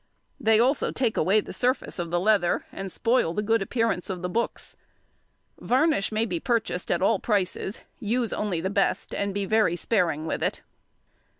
They also take away the surface of the leather and spoil the good appearance of the books. Varnish may be purchased at all prices: use only the best, and be very sparing with it.